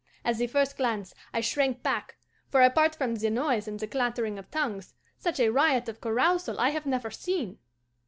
At the first glance I shrank back, for, apart from the noise and the clattering of tongues, such a riot of carousal I have never seen.